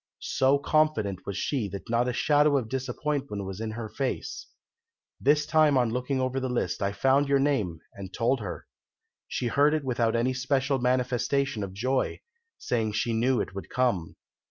So confident was she that not a shadow of disappointment was in her face. This time on looking over the list I found your name, and told her. She heard it without any special manifestation of joy, saying she knew it would come.